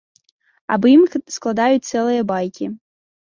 Аб ім складаюць цэлыя байкі.